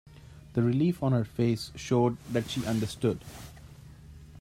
The relief on her face showed that she understood.